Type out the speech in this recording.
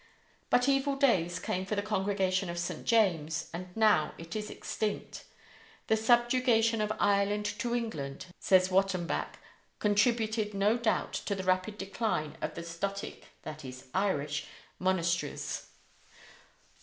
But evil days came for the Congregation of St. James, and now it is extinct. The subjugation of Ireland to England, says Wattenbach, contributed no doubt to the rapid decline of the Scotic (that is, Irish) monasteries.